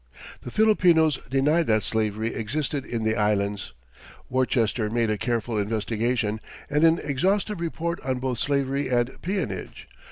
The Filipinos denied that slavery existed in the Islands. Worcester made a careful investigation, and an exhaustive report on both slavery and peonage.